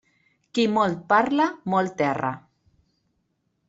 Qui molt parla, molt erra.